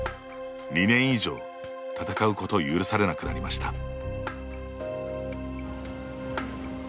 ２年以上、闘うことを許されなくなりました。